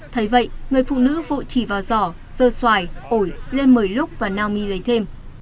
thấy vậy người phụ nữ vội chỉ vào giỏ rơ xoài ổi lên mời lúc và naomi lấy thêm